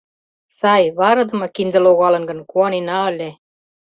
Сай, варыдыме кинде логалын гын — куанена ыле!